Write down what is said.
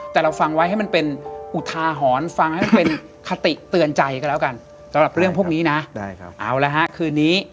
แต่เราฟังไว้ให้มันเป็นอุทาหอนฟังให้มันเป็นคติเตือนใจกันแล้วกัน